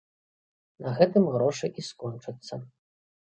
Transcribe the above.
На гэтым грошы і скончацца.